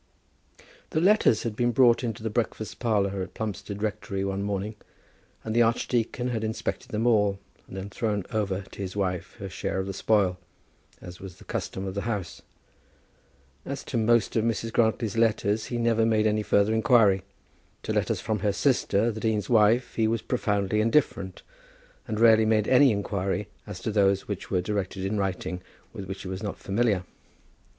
The letters had been brought into the breakfast parlour at Plumstead Rectory one morning, and the archdeacon had inspected them all, and then thrown over to his wife her share of the spoil, as was the custom of the house. As to most of Mrs. Grantly's letters, he never made any further inquiry. To letters from her sister, the dean's wife, he was profoundly indifferent, and rarely made any inquiry as to those which were directed in writing with which he was not familiar.